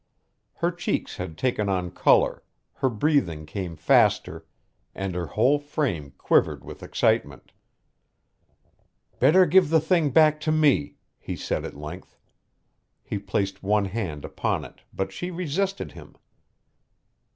Her cheeks had taken on color, her breathing came faster, and her whole frame quivered with excitement. "Better give the thing back to me," he said at length. He placed one hand upon it but she resisted him.